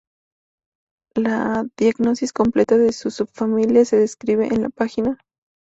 La diagnosis completa de la subfamilia se describe en la pag.